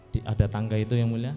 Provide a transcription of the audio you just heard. di ada tangga itu yang mulia